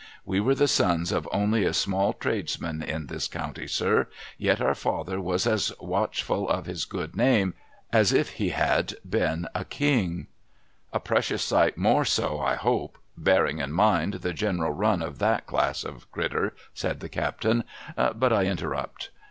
We were the sons of only a small tradesman in this county, sir; yet our father was as watchful of his good name as if he had been a king.' A PRICELESS LEGACY 231 * A precious sight more so, I hope,— bearing in mind the general run of that class of crittur,' said the captain. ' But I interrupt.'